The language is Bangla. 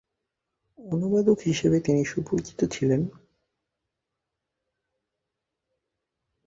অনুবাদক হিসাবে তিনি সুপরিচিত ছিলেন।